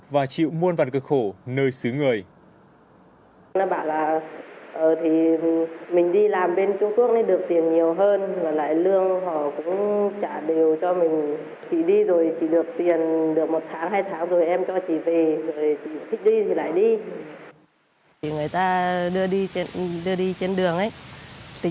và chịu muôn vạn cực khổ nơi xứ người